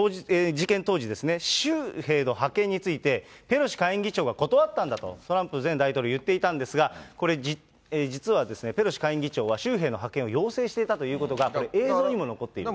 当時、州兵の派遣について、ペロシ下院議長が断ったんだと、トランプ前大統領言っていたんですが、これ、実はペロシ下院議長は、州兵の派遣を要請していたということが映像にも残っている。